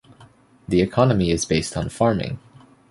The economy is based on farming.